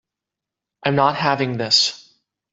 I'm not having this.